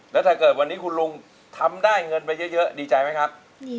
แล้วถ้าเกิดวันนี้คุณลุงทำได้เงินไปเยอะดีใจไหมครับ